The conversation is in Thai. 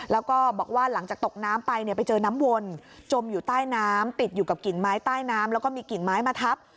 แล้วก็บอกว่าหลังจากตกน้ำไปเนี่ยไปเจอน้ำวนจมอยู่ใต้น้ำติดอยู่กับกิ่งไม้ใต้น้ำแล้วก็มีกิ่งไม้มาทับ